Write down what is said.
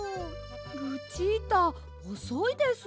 ルチータおそいです。